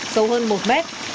sâu hơn một mét